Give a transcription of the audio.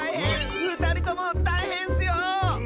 ふたりともたいへんッスよ！